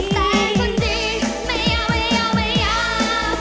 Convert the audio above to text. แต่คนดีไม่เอาไม่เอาไม่อยาก